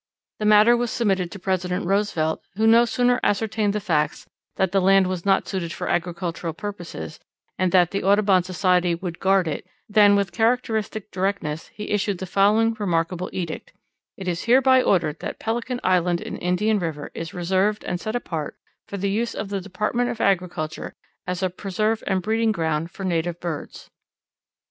The matter was submitted to President Roosevelt, who no sooner ascertained the facts that the land was not suited for agricultural purposes, and that the Audubon Society would guard it, than with characteristic directness he issued the following remarkable edict: "It is hereby ordered that Pelican Island in Indian River is reserved and set apart for the use of the Department of Agriculture as a preserve and breeding ground for native birds."